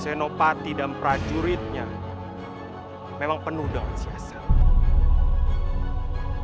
senopati dan prajuritnya memang penuh dengan siasat